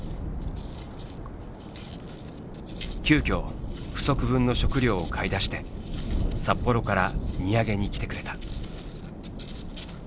急きょ不足分の食料を買い出して札幌から荷上げに来てくれた。